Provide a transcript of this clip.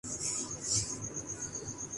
Danish